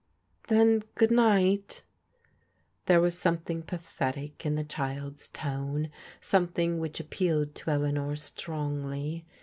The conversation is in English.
" Then • good night' " There was somediing pathetic in the child's tone, some thing which appealed to Eleanor strongly.